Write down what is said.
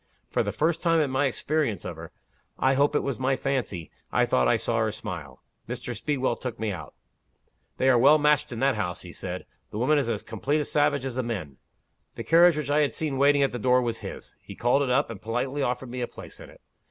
For the first time in my experience of her I hope it was my fancy I thought I saw her smile. Mr. Speedwell took me out. 'They are well matched in that house,' he said. 'The woman is as complete a savage as the men.' The carriage which I had seen waiting at the door was his. He called it up, and politely offered me a place in it.